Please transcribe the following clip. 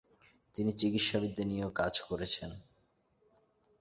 তিনি চিকিৎসাবিদ্যা নিয়েও কাজ করেছেন।